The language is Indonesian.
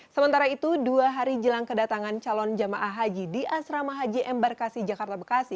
sementara itu dua hari jelang kedatangan calon jemaah haji di asrama haji embarkasi jakarta bekasi